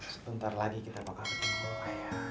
sebentar lagi kita bakal ketemu kayak